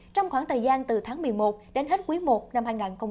trong khoảng thời gian từ tháng một mươi một đến hết quý i năm hai nghìn hai mươi